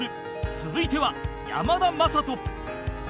続いては山田雅人